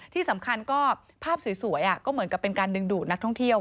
ที่สำคัญก็ภาพสวยก็เหมือนกับเป็นการดึงดูดนักท่องเที่ยว